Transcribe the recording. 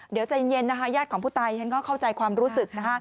เดี๋ยวใจเย็นย่าของผู้ตายก็เข้าใจความรู้สึก